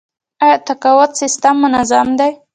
آیا تقاعد سیستم منظم دی؟